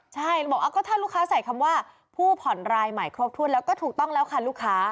ใช่บอกก็ถ้าลูกค้าใส่คำว่าผู้ผ่อนรายใหม่ครบถ้วนแล้วก็ถูกต้องแล้วค่ะลูกค้า